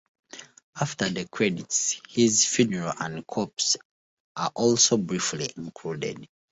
After the credits, his funeral and corpse are also briefly included.